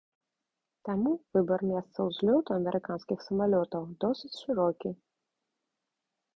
Таму выбар месца ўзлёту амерыканскіх самалётаў досыць шырокі.